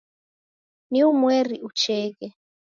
Ni umweri ucheghe